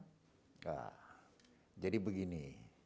tidak jadi begini